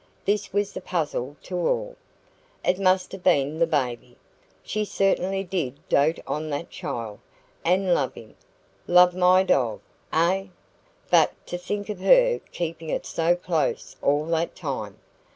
(This was the puzzle to all.) "It must have been the baby. She certainly did dote on that child, and 'love me, love my dog' eh? But to think of her keeping it so close all that time!